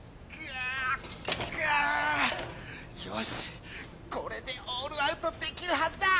グーッよしこれでオールアウトできるはずだ！